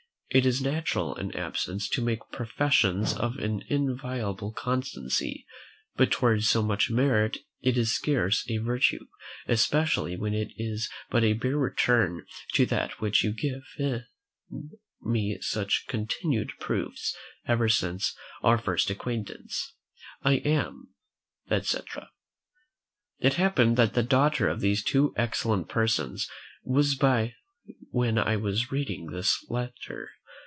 It is natural in absence to make professions of an inviolable constancy; but towards so much merit it is scarce a virtue, especially when it is but a bare return to that of which you have given me such continued proofs ever since our first acquaintance. I am," etc. It happened that the daughter of these two excellent persons was by when I was reading this letter.